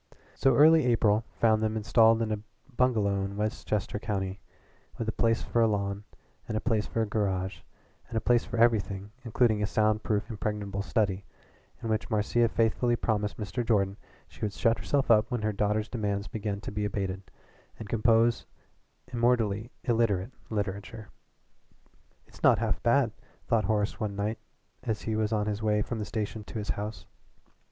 So early April found them installed in a bungalow in Westchester County, with a place for a lawn, a place for a garage, and a place for everything, including a sound proof impregnable study, in which Marcia faithfully promised Mr. Jordan she would shut herself up when her daughter's demands began to be abated, and compose immortally illiterate literature. "It's not half bad," thought Horace one night as he was on his way from the station to his house.